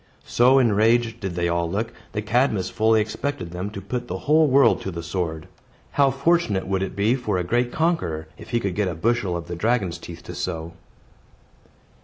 So enraged did they all look, that Cadmus fully expected them to put the whole world to the sword. How fortunate would it be for a great conqueror, if he could get a bushel of the dragon's teeth to sow!